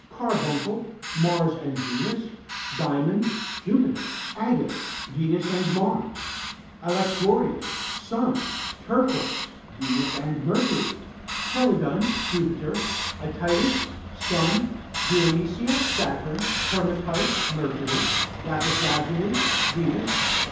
Carbuncle Mars and Venus. Diamond Jupiter. Agate Venus and Mars. Alectoria Sun. Turquoise Venus and Mercury. Chelidon Jupiter. Ætites Sun. Dionesia Saturn. Hematite Mercury. Lapis lazuli Venus.